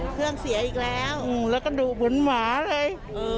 เครื่องมันเสียแล้วก็ดุเหมือนหมาเลย